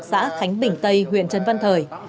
xã khánh bình tây huyện trân văn thời